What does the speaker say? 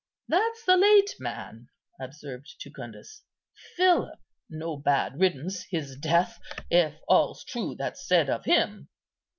"That's the late man," observed Jucundus, "Philip; no bad riddance his death, if all's true that's said of him."